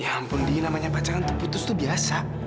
ya ampun di namanya pacaran putus tuh biasa